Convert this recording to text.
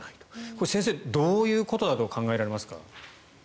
これはどういうことだと思われますか？